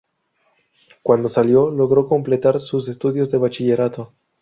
Cuando salió, logró completar sus estudios de bachillerato.